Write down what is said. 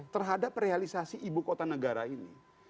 terhadap realisasi ibu kota negara ini